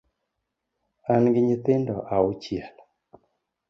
An gi nyithindo auchiel